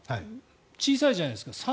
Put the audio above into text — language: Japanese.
小さいじゃないですか。